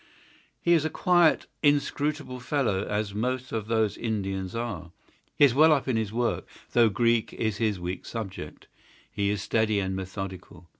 He is a quiet, inscrutable fellow, as most of those Indians are. He is well up in his work, though his Greek is his weak subject. He is steady and methodical.